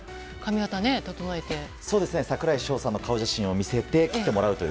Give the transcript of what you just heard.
櫻井翔さんの顔写真を見せて切ってもらうという。